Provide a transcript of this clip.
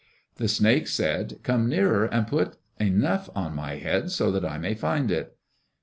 The snake said, "Come nearer and put enough on my head so that I may find it."